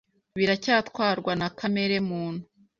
Biracyatwarwa na kamere muntu